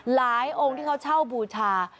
หลายองค์ที่เขาเช่าบูธา